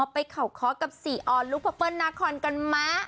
ไปเข่าคลอดกับสี่อ่อนลูกพระเปิ้ลนาคอนกันมา